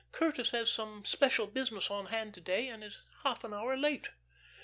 "Curtis has some special business on hand to day, and is half an hour late."